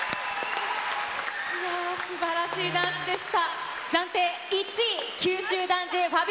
いやー、すばらしいダンスでした。